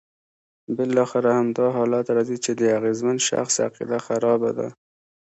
بالاخره همدا حالت راځي چې د اغېزمن شخص عقیده خرابه ده.